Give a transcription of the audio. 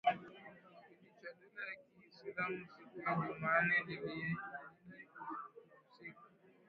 kikundi cha dola ya Kiislamu siku ya Jumanne lilidai kuhusika